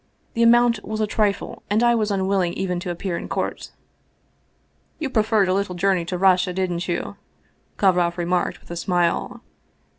The amount was a trifle and I was unwilling even to appear in court !"" You preferred a little journey to Russia, didn't you ?" Kovroff remarked with a smile.